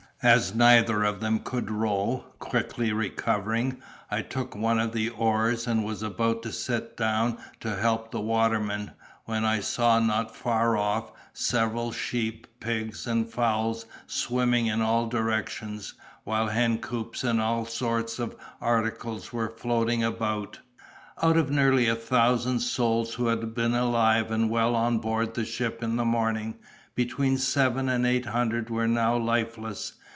As neither of them could row—quickly recovering—I took one of the oars, and was about to sit down to help the waterman, when I saw not far off, several sheep, pigs, and fowls swimming in all directions, while hencoops and all sorts of articles were floating about.... Out of nearly a thousand souls who had been alive and well on board the ship in the morning, between seven and eight hundred were now lifeless.